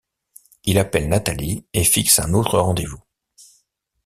Il appelle Nathalie et fixe un autre rendez-vous.